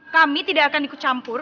kami tidak akan ikut campur